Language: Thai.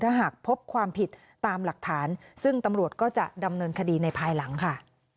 ถ้าหากพบความผิดตามหลักฐานซึ่งตำรวจก็จะดำเนินคดีในภายหลังค่ะ